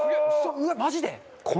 うわっマジで！？